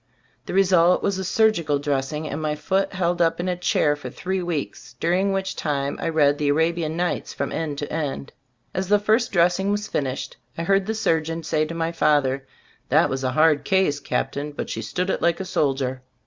The result was a surgical dressing and my foot held up in a chair for three weeks, during which time I read the "Arabian Nights" from end to end. As the first dressing was finished, I heard the surgeon say to my father: "that was a hard case, Captain, but she stood it like a soldier."